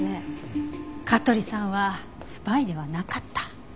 香取さんはスパイではなかった。